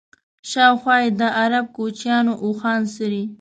شاوخوا یې د عرب کوچیانو اوښان څري.